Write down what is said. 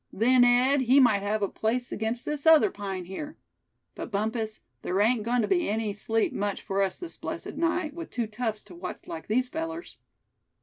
Then Ed, he might have a place against this other pine, here. But Bumpus, there ain't going to be any sleep much for us this blessed night, with two toughs to watch like these fellers."